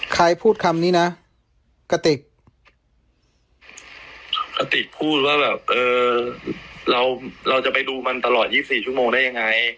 ใครพูดคำนี้นะกระติกกระติกพูดว่าแบบเออเราเราจะไปดูมันตลอด๒๔ชั่วโมงได้ยังไง